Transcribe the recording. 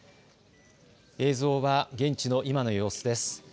映像は現地の今の様子です。